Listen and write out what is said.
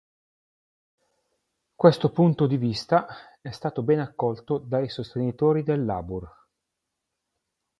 Questo punto di vista è stato ben accolto dai sostenitori del Labour.